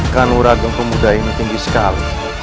kanurageng pemuda ini tinggi sekali